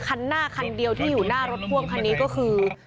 คันหน้าคันเดียวที่อยู่หน้ารถพ่วงคันนี้ก็คือ